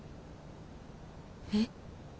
えっ？